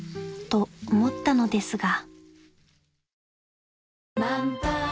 と思ったのですが］